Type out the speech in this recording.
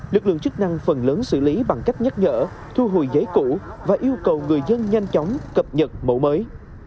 lực lượng chức năng phần lớn xử lý bằng cách nhắc nhở thu hồi giấy cũ và yêu cầu người dân nhanh chóng cập nhật mẫu mới